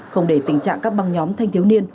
không để tình trạng các băng nhóm thanh thiếu niên